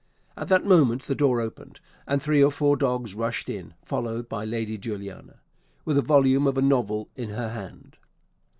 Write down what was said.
At that moment the door opened, and three or four dogs rushed in, followed by Lady Juliana, with a volume of a novel in her hand.